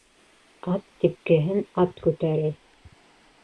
Ат типкеһен ат күтәрер.